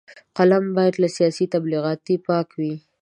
فلم باید له سیاسي تبلیغاتو پاک وي